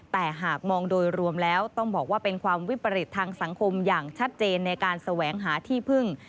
แต่หากมองโดยรวมแล้วต้องบอกว่าเป็นความวิปริตทางสังคมอย่างชัดเจนในการแสวงหาที่พึ่ง